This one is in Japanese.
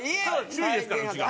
首位ですからうちが。